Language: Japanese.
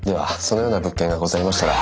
そのような物件がございましたら。